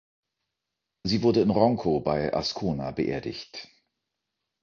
Sie wurde in Ronco bei Ascona beerdigt.